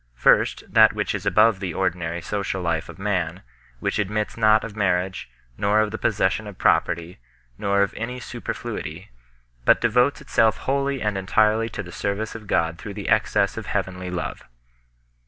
First, that which is above the ordinary social life of man, which admits not of marriage, nor of the possession of property, nor of any superfluity, but devotes itself wholly and en tirely to the service of God through the excess of heavenly love.